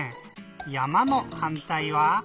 「山」のはんたいは？